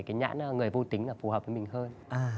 cái nhãn người vô tính là phù hợp với mình hơn